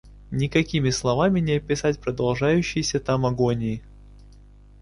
Никакими словами не описать продолжающейся там агонии.